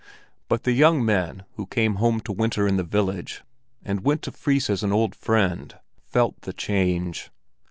But the young men who came home to winter in the village, and went to Fris as to an old friend, felt the change.